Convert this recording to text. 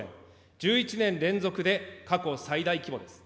１１年連続で過去最大規模です。